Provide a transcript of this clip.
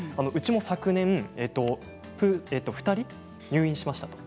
うちも昨年２人、入院しました。